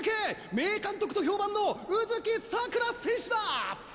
名監督と評判の卯月さくら選手だ！